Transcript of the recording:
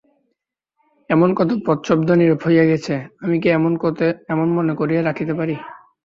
এমন কত পদশব্দ নীরব হইয়া গেছে, আমি কি এত মনে করিয়া রাখিতে পারি।